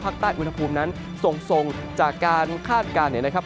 ภาคใต้อุณหภูมินั้นส่งจากการคาดการณ์นะครับ